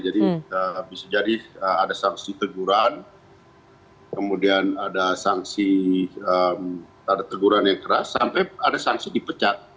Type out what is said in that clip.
jadi bisa jadi ada sanksi teguran kemudian ada sanksi ada teguran yang keras sampai ada sanksi dipecat